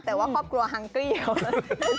แต่ว่าครอบครัวฮังกรี